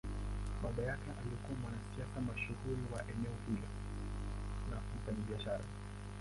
Baba yake alikuwa mwanasiasa mashuhuri wa eneo hilo na mfanyabiashara.